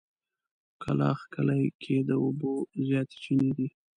کلاخ کلي کې د اوبو زياتې چينې دي.